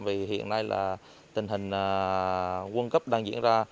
vì hiện nay là tình hình quân cấp đang diễn ra